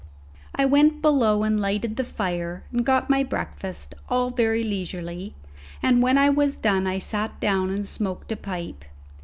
I went below and lighted the fire and got my breakfast, all very leisurely, and when I was done I sat down and smoked a pipe.